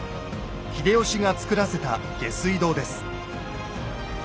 秀吉が造らせた下水道です。